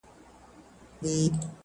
له کلونو ناپوهی یې زړه اره سو!!